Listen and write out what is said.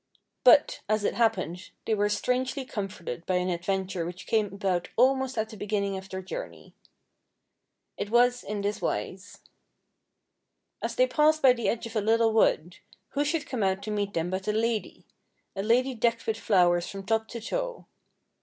But, as it happened, they were strangely comforted by an adventure which came about almost at the beginning of their journey. It was in this wise :— As they passed by the edge of a little wood, who should come out to meet them but a lady, — a lady decked with flowers from top to toe.